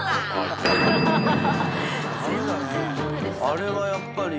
あれはやっぱり。